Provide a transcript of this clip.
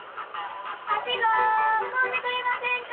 はしご買うてくれませんか？